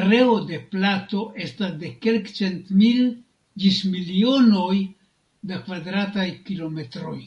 Areo de plato estas de kelkcent mil ĝis milionoj da kvadrataj kilometroj.